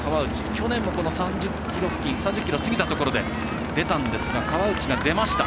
去年も、この３０ｋｍを過ぎたところで出たんですが川内が出ました。